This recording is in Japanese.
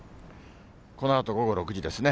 このあと午後６時ですね。